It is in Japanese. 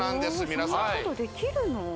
皆さんそんなことできるの？